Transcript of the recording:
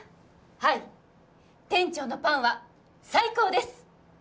はい店長のパンは最高です！